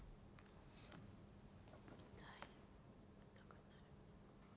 痛い痛くない。